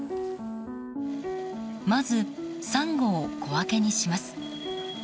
まずサンゴを小分けにします。